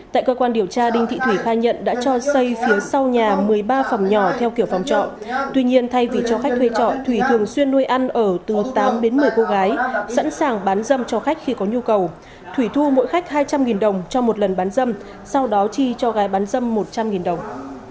tại cơ quan điều tra đinh thị thủy khai nhận đã cho xây phía sau nhà một mươi ba phòng nhỏ theo kiểu phòng trọ tuy nhiên thay vì cho khách thuê trọ thủy thường xuyên nuôi ăn ở từ tám đến một mươi cô gái sẵn sàng bán dâm cho khách khi có nhu cầu thủy thu mỗi khách hai trăm linh đồng cho một lần bán dâm sau đó chi cho gái bán dâm một trăm linh đồng